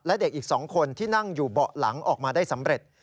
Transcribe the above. และเด็กอีก๒คนที่นั่งอยู่เบาะหลังออกมาได้สำเร็จ